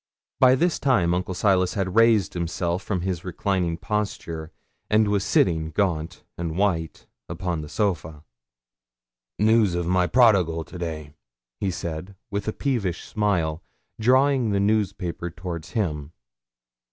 By this time Uncle Silas had raised himself from his reclining posture, and was sitting, gaunt and white, upon the sofa. 'News of my prodigal to day,' he said, with a peevish smile, drawing the newspaper towards him.